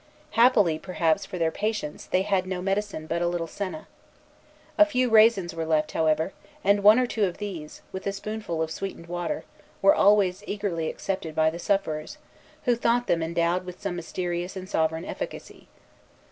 Happily, perhaps, for their patients, they had no medicine but a little senna. A few raisins were left, however; and one or two of these, with a spoonful of sweetened water, were always eagerly accepted by the sufferers, who thought them endowed with some mysterious and sovereign efficacy.